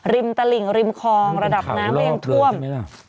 ริมตระหลิงริมคลองระดับน้ำน้ำกล้วม